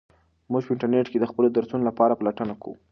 موږ په انټرنیټ کې د خپلو درسونو لپاره پلټنه کوو.